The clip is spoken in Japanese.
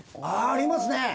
ああ！ありますね。